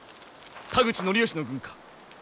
田口教能の軍か？